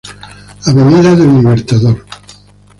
Del Libertador, Av.